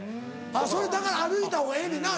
あっそれだから歩いたほうがええねんな。